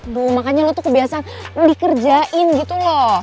aduh makanya lo tuh kebiasaan dikerjain gitu loh